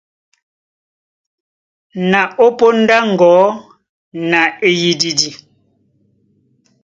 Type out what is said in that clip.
Na ó póndá á ŋgɔ̌ na eyididi.